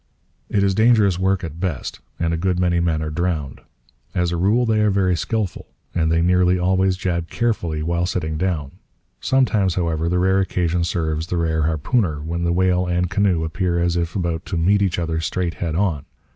It is dangerous work at best, and a good many men are drowned. As a rule they are very skilful, and they nearly always jab carefully while sitting down. Sometimes, however, the rare occasion serves the rare harpooner, when the whale and canoe appear as if about to meet each other straight head on.